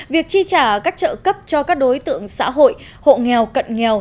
việc chi trả các trợ cấp cho các đối tượng xã hội hộ nghèo cận nghèo